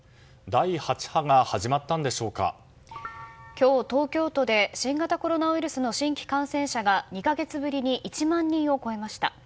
今日、東京都で新型コロナウイルスの新規感染者が２か月ぶりに１万人を超えました。